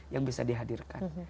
yang bisa dihadirkan